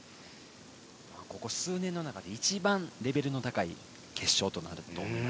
ここ数年の中で一番レベルの高い決勝です。